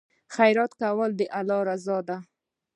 خیرات کول د خدای رضا ده.